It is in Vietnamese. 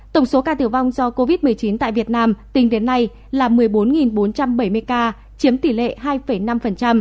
tổng số ca tử vong do covid một mươi chín tại việt nam tính đến nay là một mươi bốn bốn trăm bảy mươi ca chiếm tỷ lệ hai năm